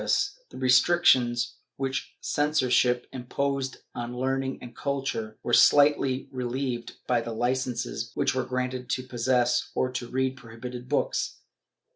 IV] LICENCES 521 The restrictions which censorship imposed on learning and cul ture were slightly relieved by the licences which were granted to possess or to read prohibited books.